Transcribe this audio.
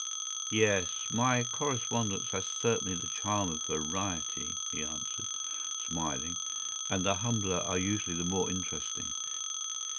” “Yes, my correspondence has certainly the charm of variety,” he answered, smiling, “and the humbler are usually the more interesting.